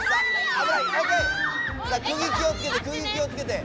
気をつけて！